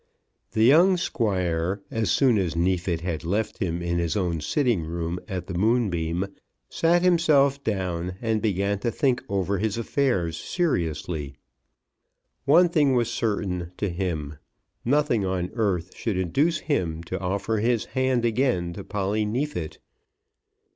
The young Squire, as soon as Neefit had left him in his own sitting room at the Moonbeam, sat himself down and began to think over his affairs seriously. One thing was certain to him; nothing on earth should induce him to offer his hand again to Polly Neefit.